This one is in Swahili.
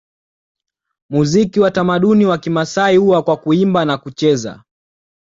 Muziki wa tamaduni wa Kimasai huwa kwa Kuimba na kucheza